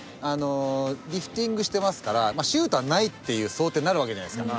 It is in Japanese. リフティングしてますからシュートはないっていう想定になるわけじゃないですか。